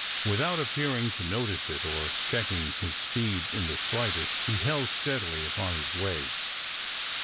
Without appearing to notice it or checking his speed in the slightest he held steadily upon his way.